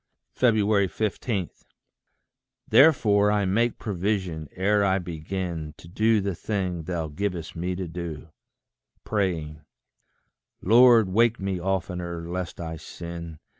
15. Therefore I make provision, ere I begin To do the thing thou givest me to do, Praying, Lord, wake me oftener, lest I sin.